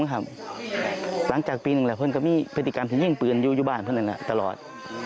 หลังจากปีหนึ่งแหละคุณก็มีพฤติกรรมที่ยิ่งเปลือนอยู่บ้านคุณอันนั้นตลอด